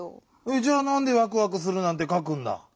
じゃあなんで「わくわくする」なんてかくんだ？